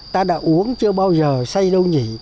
ta đã uống chưa bao giờ say đâu nhỉ